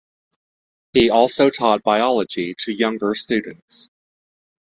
He also taught Biology to younger students.